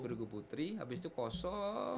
dua ribu dua bergu putri habis itu kosong